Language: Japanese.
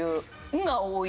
「ン」が多い。